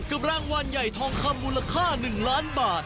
กับรางวัลใหญ่ทองคำมูลค่า๑ล้านบาท